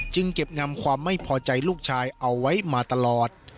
เก็บงำความไม่พอใจลูกชายเอาไว้มาตลอด